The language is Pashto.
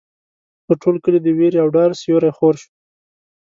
پر ټول کلي د وېرې او ډار سیوری خور شو.